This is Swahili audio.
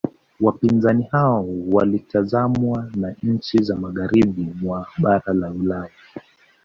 Wapinzani hao walitazamwa na nchi za magharibi mwa bara la Ulaya